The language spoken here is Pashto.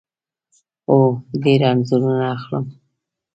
هو، ډیر انځورونه اخلم